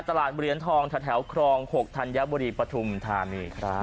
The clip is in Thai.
ตลาดเบอร์เลี้ยนทองถ้าแถวครอง๖ธัญบุรีปฐุมธามี